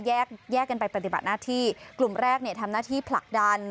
แยกแยกกันไปปฏิบัติหน้าที่กลุ่มแรกเนี่ยทำหน้าที่ผลักดัน